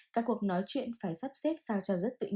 các cuộc nói chuyện phải sắp xếp sao cho rất tự nhiên